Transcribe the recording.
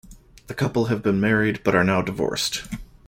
The couple have been married but are now divorced.